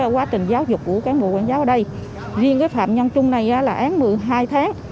quá trình giáo dục của cán bộ quản giáo ở đây riêng phạm nhân chung này là án một mươi hai tháng